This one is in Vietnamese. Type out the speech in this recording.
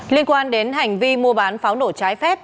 liên quan đến hành vi mua bán pháo nổ trái phép